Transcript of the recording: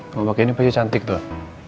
kamu pake ini baju cantik tuh